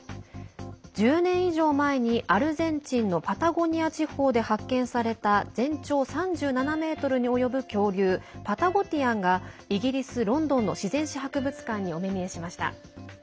１０年以上前にアルゼンチンのパタゴニア地方で発見された全長３７ｍに及ぶ恐竜、パタゴティタンがイギリス・ロンドンの自然史博物館にお目見えしました。